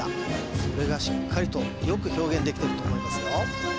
それがしっかりとよく表現できてると思いますよ